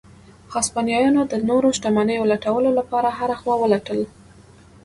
هسپانویانو د نورو شتمنیو لټولو لپاره هره خوا ولټل.